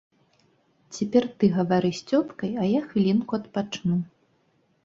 Цяпер ты гавары з цёткай, а я хвілінку адпачну.